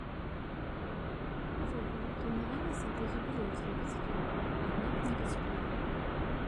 Увогуле, планавалася да юбілею зрабіць фільм, аднак не паспелі.